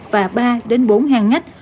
và ba bốn hang ngách